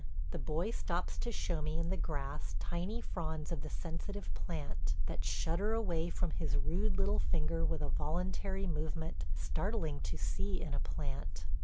The boy stops to show me in the grass tiny fronds of the sensitive plant, that shudder away from his rude little finger with a voluntary movement startling to see in a plant.